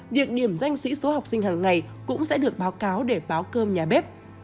việc điểm danh sĩ số học sinh hàng ngày cũng sẽ được báo cáo để báo cơm nhà bếp